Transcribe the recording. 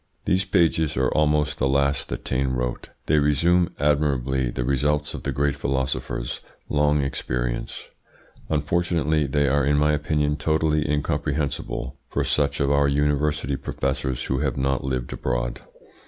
These pages are almost the last that Taine wrote. They resume admirably the results of the great philosopher's long experience. Unfortunately they are in my opinion totally incomprehensible for such of our university professors who have not lived abroad.